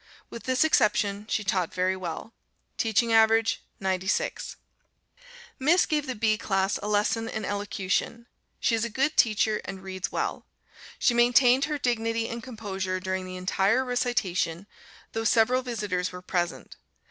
With this exception, she taught very well. Teaching average, 96. Miss gave the B class a lesson in Elocution. She is a good teacher, and reads well. She maintained her dignity and composure during the entire recitation, though several visitors were present.